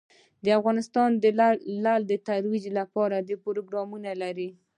افغانستان د لعل د ترویج لپاره پروګرامونه لري.